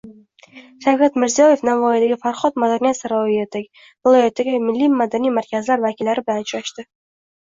Shavkat Mirziyoyev Navoiydagi Farhod madaniyat saroyida viloyatdagi milliy madaniy markazlar vakillari bilan uchrashdi